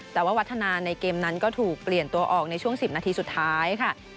แต่ว่าวัฒนาในเกมนั้นก็ถูกเปลี่ยนตัวออกในช่วง๑๐นาทีสุดท้ายค่ะ